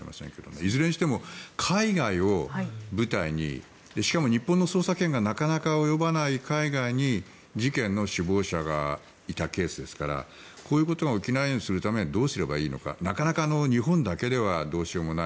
いずれにしても海外を舞台にしかも日本の捜査権がなかなか及ばない海外に事件の首謀者がいたケースですからこういうことが起きないようにするためにどうすればいいのかなかなか日本だけではどうしようもない。